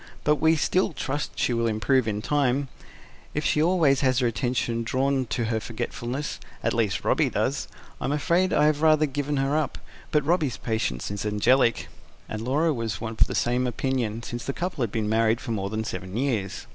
"But we still trust she will improve in time, if she always has her attention drawn to her forgetfulness at least Robby does; I'm afraid I have rather [P.165] given her up. But Robby's patience is angelic." And Laura was of the same opinion, since the couple had been married for more than seven years.